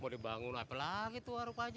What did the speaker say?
mau dibangun apa lagi tuh warung pak ji